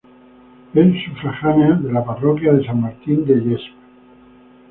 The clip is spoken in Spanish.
Es sufragánea de la parroquia de San Martín de Llesp.